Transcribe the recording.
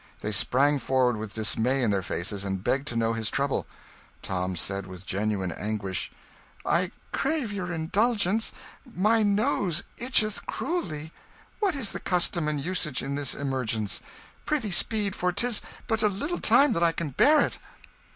They sprang forward with dismay in their faces, and begged to know his trouble. Tom said with genuine anguish "I crave your indulgence: my nose itcheth cruelly. What is the custom and usage in this emergence? Prithee, speed, for 'tis but a little time that I can bear it."